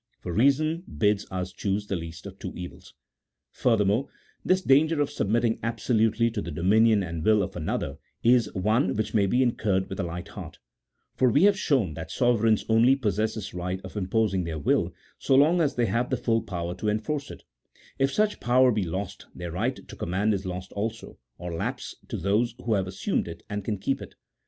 For reason bids us choose the least of two evils. Furthermore, this danger of submitting absolutely to the dominion and will of another, is one which may be incurred with a, light heart : for we have shown that sovereigns only possess this right of imposing their will, so long as they have the full power to enforce it : if such power be lost their right to command is lost also, or lapses to those who have assumed it and can keep it.